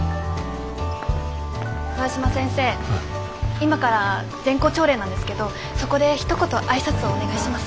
今から全校朝礼なんですけどそこでひと言挨拶をお願いします。